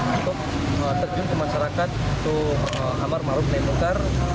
untuk terjun ke masyarakat itu amar malu penyembungkar